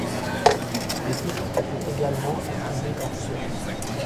Des titres étaient également attribués par séries.